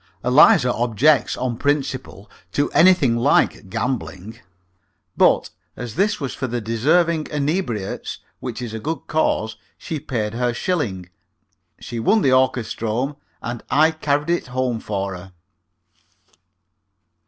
Eliza objects, on principle, to anything like gambling; but as this was for the Deserving Inebriates, which is a good cause, she paid her shilling. She won the orchestrome, and I carried it home for her.